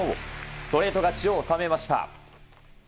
ストレート勝ちを収めました。